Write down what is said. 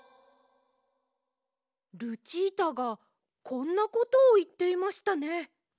ルチータがこんなことをいっていましたね。